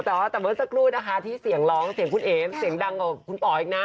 แต่ว่าแต่เมื่อสักครู่นะคะที่เสียงร้องเสียงคุณเอ๋เสียงดังกว่าคุณป๋ออีกนะ